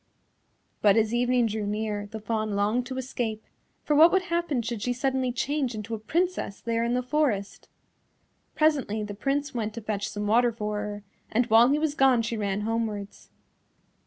But as evening drew near the Fawn longed to escape, for what would happen should she suddenly change into a Princess there in the forest. Presently the Prince went to fetch some water for her, and while he was gone she ran homewards.